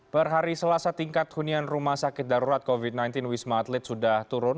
per hari selasa tingkat hunian rumah sakit darurat covid sembilan belas wisma atlet sudah turun